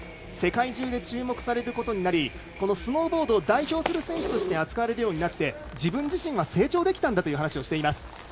世界中で注目されることになりスノーボード代表する選手として扱われることになって自分自身が成長できたんだと話しています。